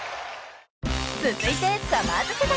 ［続いてさまぁず世代］